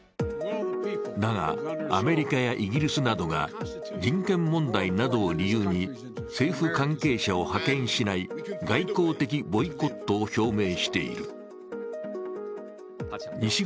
だが、アメリカやイギリスなどが人権問題などを理由に政府関係者を派遣しない外交的ボイコットを表明しています。